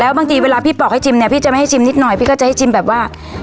บางทีเวลาพี่ปอกให้ชิมเนี่ยพี่จะไม่ให้ชิมนิดหน่อยพี่ก็จะให้ชิมแบบว่า